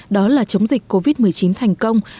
đó là chống dịch covid một mươi chín thành công